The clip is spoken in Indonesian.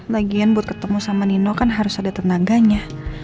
lagian buat ketemu sama nino kan harus ada tenaganya